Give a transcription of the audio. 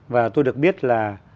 và tôi được biết là